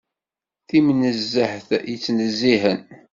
Timnezzeht yettnezzihen.